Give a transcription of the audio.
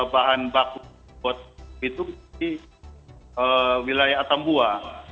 bahan baku buat itu di wilayah atambua